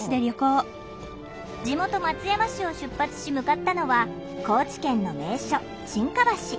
地元松山市を出発し向かったのは高知県の名所沈下橋。